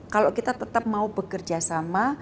kalau kita tetap mau bekerjasama